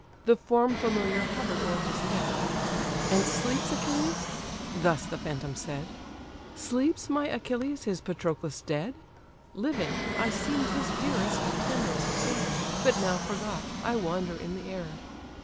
The form familiar hover'd o'er his head, "And sleeps Achilles? (thus the phantom said:) Sleeps my Achilles, his Patroclus dead? Living, I seem'd his dearest, tenderest care, But now forgot, I wander in the air.